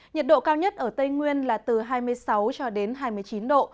nhiệt độ cao nhất ở tây nguyên là từ hai mươi sáu cho đến hai mươi chín độ